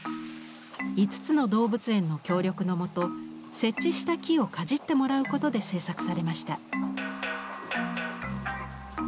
５つの動物園の協力のもと設置した木をかじってもらうことで制作されました。